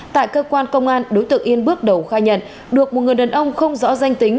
tại cơ quan công an đối tượng yên bước đầu khai nhận được một người đàn ông không rõ danh tính